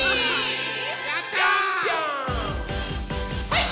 はい！